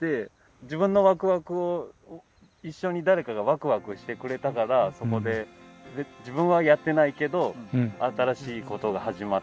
自分のワクワクを一緒に誰かがワクワクしてくれたからそこで自分はやってないけど新しいことが始まってっていうことで。